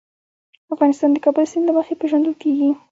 افغانستان د د کابل سیند له مخې پېژندل کېږي.